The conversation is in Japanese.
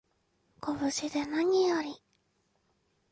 ご無事でなにより